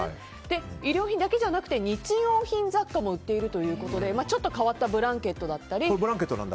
衣料品だけじゃなくて日用品雑貨も売っているということでちょっと変わったブランケットだったり。